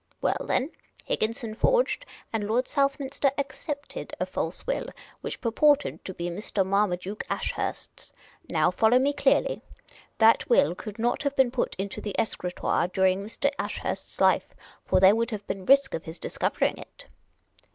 " Well, then, Higginson forged, and Lord Southminster accepted, a false will, which purported to be Mr. Marmaduke Ashurst's. Now, follow me clearly. That will could not have been put into the escritoire during Mr. Ashurst's life, for there would have been risk of his discovering it.